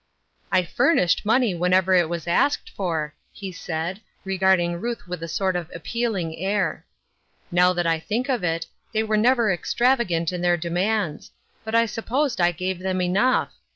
" I furnished money whenever it was asked for," he said, regarding Ruth with a sort of appealing air. " Now, that I think of it, they were never extravagant in their demands ; but I supposed I gave them enough.